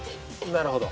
なるほど。